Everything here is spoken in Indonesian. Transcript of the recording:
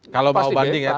kalau mau banding ya